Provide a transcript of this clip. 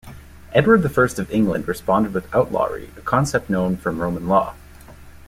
Edward the First of England responded with outlawry, a concept known from Roman law.